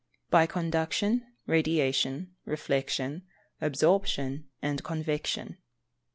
_ By Conduction, Radiation, Reflection, Absorption and Convection.